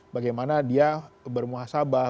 bagaimana dia bermuasabah